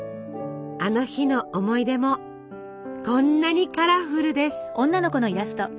あの日の思い出もこんなにカラフルです。